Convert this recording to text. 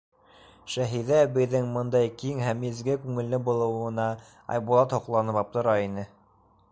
Шәһиҙә әбейҙең бындай киң һәм изге күңелле булыуына Айбулат һоҡланып аптырай ине.